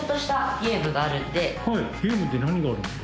ゲームって何があるんですか？